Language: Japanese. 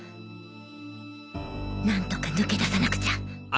なんとか抜け出さなくちゃ！